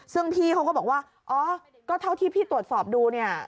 ซึ่งพี่เขาก็บอกว่าอ๋อก็เท่าที่พี่ตรวจสอบดูเนี่ย